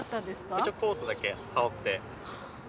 一応コートだけ羽織って。